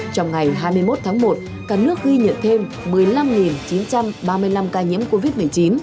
trong ngày hai mươi một tháng một cả nước ghi nhận thêm một mươi năm chín trăm ba mươi năm ca nhiễm covid một mươi chín